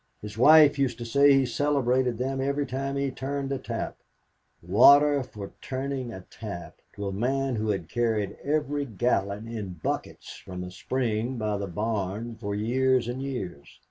His wife used to say he celebrated them every time he turned a tap water for turning a tap to a man who had carried every gallon in buckets from a spring by the barn for years and years!